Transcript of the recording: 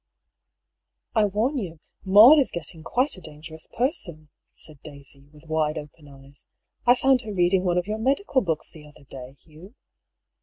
" I warn you, Maud is getting quite a dangerous person," said Daisy, with wide open eyes. "I found her reading one of your medical books the other day, Hugh."